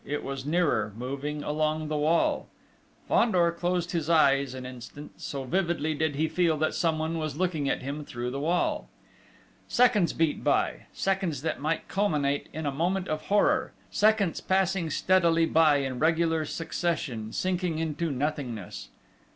it was nearer moving along the wall. Fandor closed his eyes an instant, so vividly did he feel that someone was looking at him through the wall! Seconds beat by seconds that might culminate in a moment of horror seconds passing steadily by in regular succession, sinking into nothingness....